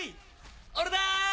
俺だ！